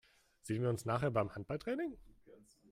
Sehen wir uns nachher beim Handballtraining?